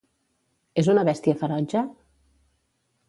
És una bèstia ferotge?